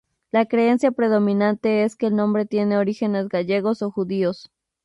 La creencia predominante es que el nombre tiene orígenes gallegos o judíos.